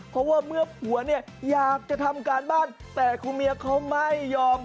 เพราะว่าเมื่อผัวเนี่ยอยากจะทำการบ้านแต่คุณเมียเขาไม่ยอม